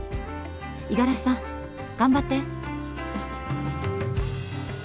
五十嵐さん頑張って！